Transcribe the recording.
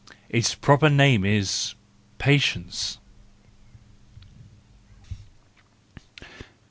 Its proper name is—patience.